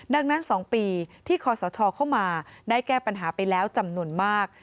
ดังนั้น๒ปีที่คอสชเข้ามาได้แก้ปัญหาไปแล้วจำนวนมาก